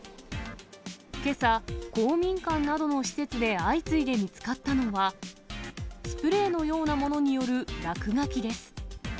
けさ、公民館などの施設で相次いで見つかったのは、スプレーのようなものによる落書きです。